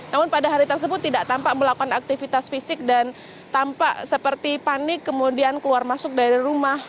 namun pada hari tersebut tidak tampak melakukan aktivitas fisik dan tampak seperti panik kemudian keluar masuk dari rumah